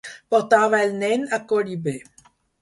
Portava el nen a collibè.